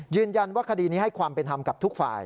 ยืนยันว่าคดีนี้ให้ความเป็นธรรมกับทุกฝ่าย